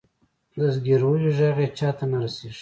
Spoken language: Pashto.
د زګیرویو ږغ یې چاته نه رسیږې